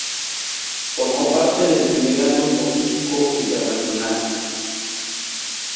Formó parte del primer Año Geofísico Internacional.